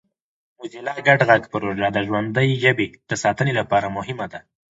موزیلا ګډ غږ پروژه د ژوندۍ ژبې د ساتنې لپاره مهمه ده.